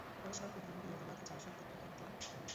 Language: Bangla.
পরেশবাবু কহিলেন, বিরোধ ও বাধা ছাড়া সত্যের পরীক্ষা হতেই পারে না।